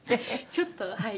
「ちょっとはい。